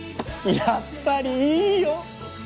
やっぱりいいよ！